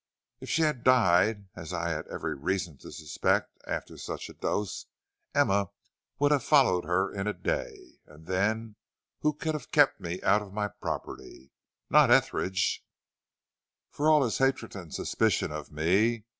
"If she had died, as I had every reason to suspect after such a dose, Emma would have followed her in a day. And then who could have kept me out of my property? Not Etheridge, for all his hatred and suspicion of me."